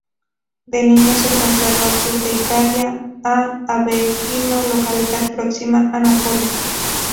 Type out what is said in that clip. De niño se trasladó al sur de Italia, a Avellino, localidad próxima a Nápoles.